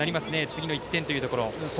次の１点というところ。